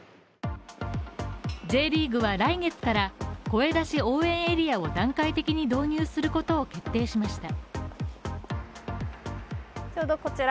Ｊリーグは来月から声出し応援エリアを段階的に導入することを決定しました。